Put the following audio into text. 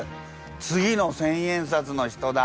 次の千円札の人だ。